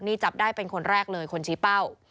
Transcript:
นี่จับได้เป็นคนแรกเลยคนชี้เป้า